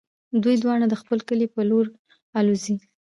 دوی دواړه د خپل کلي په لور الوزي.